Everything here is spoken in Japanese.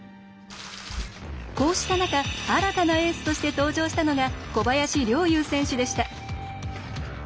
こうした中、新たなエースとして登場したのが小林陵侑選手でした。